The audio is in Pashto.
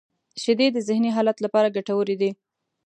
• شیدې د ذهنی حالت لپاره ګټورې دي.